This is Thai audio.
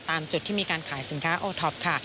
ตามจุดที่มีการขายสินค้าโอท็อปค่ะ